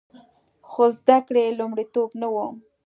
خو زده کړې لومړیتوب نه و